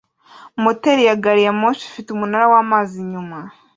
moteri ya gari ya moshi ifite umunara wamazi inyuma